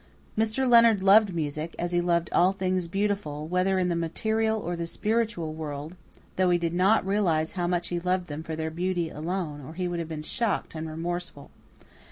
Mr. Leonard loved music, as he loved all things beautiful, whether in the material or the spiritual world, though he did not realize how much he loved them for their beauty alone, or he would have been shocked and remorseful.